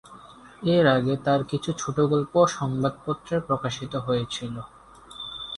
এর আগে তাঁর কিছু ছোট গল্প সংবাদপত্রে প্রকাশিত হয়েছিল।